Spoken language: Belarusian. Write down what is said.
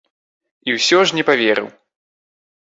І ўсё ж не паверыў.